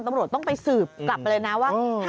ตำรวจต้องไปสืบกลับไปเลยนะว่า